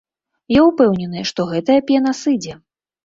Я ўпэўнены, што гэтая пена сыдзе.